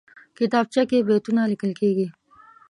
کتابچه کې بیتونه لیکل کېږي